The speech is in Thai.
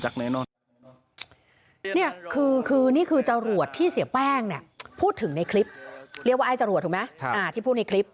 คือนี่คือจรวจที่เสียแป้งพูดถึงในคลิป